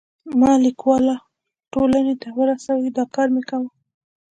ما لیکوالو ټولنې ته ورسوی، دا کار مې کاوه.